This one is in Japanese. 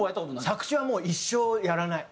作詞はもう一生やらない。